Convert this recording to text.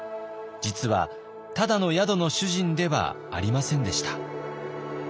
実はただの宿の主人ではありませんでした。